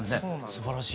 すばらしい。